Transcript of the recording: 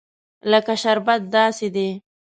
لکه شربت داسې دي.